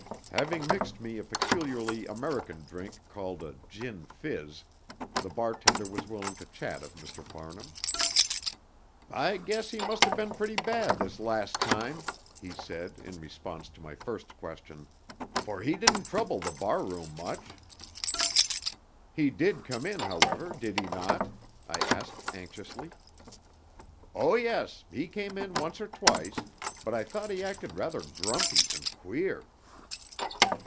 Having mixed me a peculiarly American drink called "gin fizz," the bartender was willing to chat of Mr. Farnham. "I guess he must have been pretty bad this last time," he said, in response to my first question, "for he didn't trouble the barroom much." "He did come in, however, did he not?" I asked anxiously. "Oh, yes, he came in once or twice, but I thought he acted rather grumpy and queer."